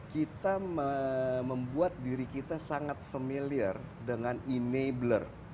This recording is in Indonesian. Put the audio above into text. kita membuat diri kita sangat familiar dengan enabler